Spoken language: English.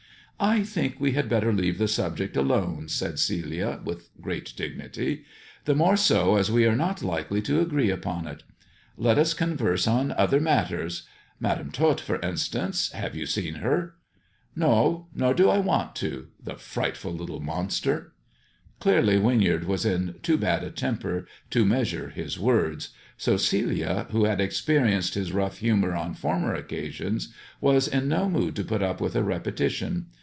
" I think we had better leave the subject alone," said Celia, with great dignity, the more so as we are not likely to agree upon it. Let us converse on other matters. Madam Tot, for instance ! Have you seen her 1 "" No ! Nor do I want to ; the frightful little monster !" Clearly Winyard was in too bad a temper to measure his words, so Celia, who had experienced his rough humour on former occasions, was in no mood to put up with a repetition.